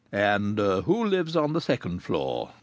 "And who lives on the second floor?"